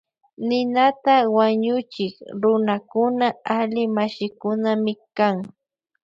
Ninata wañuchik runakuna alli mashikunami kan.